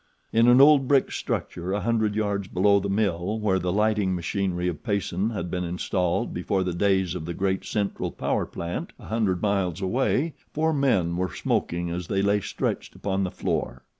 In an old brick structure a hundred yards below the mill where the lighting machinery of Payson had been installed before the days of the great central power plant a hundred miles away four men were smoking as they lay stretched upon the floor.